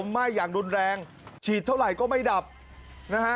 ไหม้อย่างรุนแรงฉีดเท่าไหร่ก็ไม่ดับนะฮะ